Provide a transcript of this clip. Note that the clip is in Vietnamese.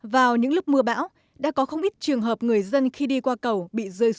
vào những lúc mưa bão đã có không ít trường hợp người dân đi đi